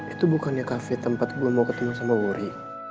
itu bukannya kafe tempat belum mau ketemu sama wuri